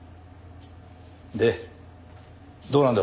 でどうなんだ？